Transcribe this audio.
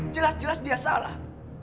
jelas jelas dia salah